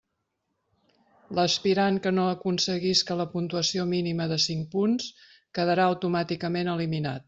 L'aspirant que no aconseguisca la puntuació mínima de cinc punts quedarà automàticament eliminat.